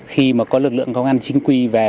khi mà có lực lượng công an chính quy về